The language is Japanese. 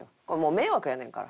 迷惑やねんから。